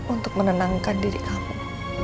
untuk menenangkan diri kamu